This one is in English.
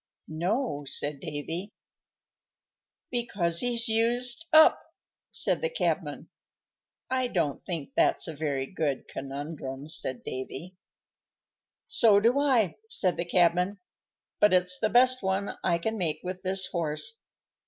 "No," said Davy. "Because he's used up," said the cabman. "I don't think that's a very good conundrum," said Davy. "So do I," said the cabman. "But it's the best one I can make with this horse.